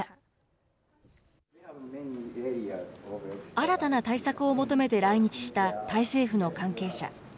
新たな対策を求めて来日したタイ政府の関係者。